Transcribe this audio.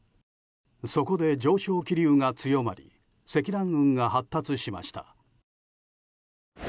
そこで上昇気流が強まり積乱雲が発達しました。